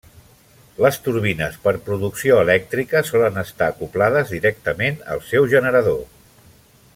Les turbines per producció elèctrica solen estar acoblades directament al seu generador.